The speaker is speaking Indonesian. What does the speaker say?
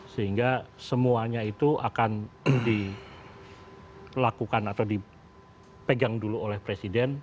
sehingga semuanya itu akan dilakukan atau dipegang dulu oleh presiden